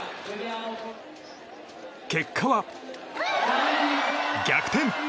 結果は、逆転！